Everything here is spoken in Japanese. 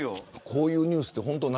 こういうニュース。